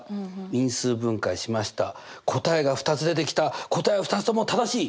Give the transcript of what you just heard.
因数分解しました答えが２つ出てきた答えは２つとも正しい？